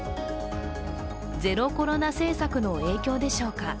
ゼロコロナ政策の影響でしょうか。